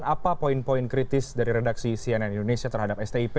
apa poin poin kritis dari redaksi cnn indonesia terhadap stip